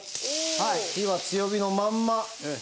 火は強火のまんま。